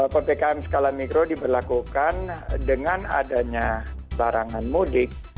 ppkm skala mikro diberlakukan dengan adanya larangan mudik